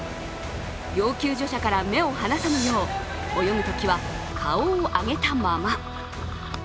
要救助者から目を離さぬよう泳ぐときは顔を上げたまま。